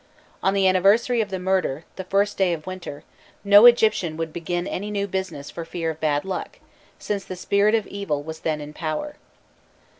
On the anniversary of the murder, the first day of winter, no Egyptian would begin any new business for fear of bad luck, since the spirit of evil was then in power.